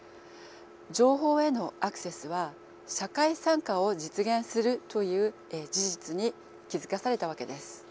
情報へのアクセスは社会参加を実現するという事実に気付かされたわけです。